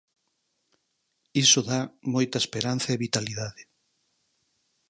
"Iso dá moita esperanza e vitalidade".